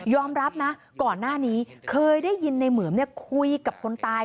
รับนะก่อนหน้านี้เคยได้ยินในเหมือมคุยกับคนตาย